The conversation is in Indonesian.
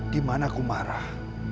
di mana aku marah